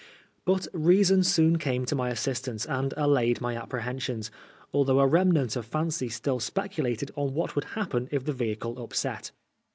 But reason soon came to my assistance and allayed my apprehensions, although a remnant of fancy still speculated on what would happen if the ve^iicle upset.